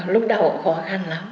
lúc đầu cũng khó khăn lắm